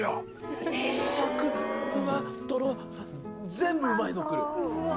全部うまいのくるうわ